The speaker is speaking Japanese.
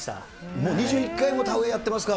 もう２１回も田植えやってますか。